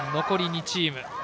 残り２チーム。